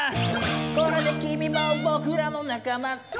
「これできみもぼくらのなかまさ」